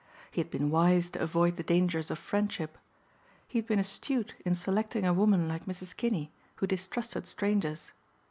He had been wise to avoid the dangers of friendship. He had been astute in selecting a woman like Mrs. Kinney who distrusted strangers.